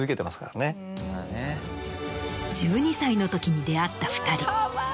１２歳のときに出会った２人。